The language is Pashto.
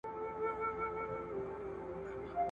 اسلام د کمزورو ملاتړی دی.